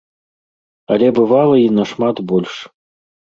Але бывала і нашмат больш.